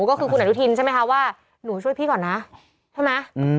ก็คือคุณอนุทินใช่ไหมคะว่าหนูช่วยพี่ก่อนนะใช่ไหม